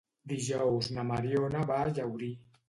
Dijous na Mariona va a Llaurí.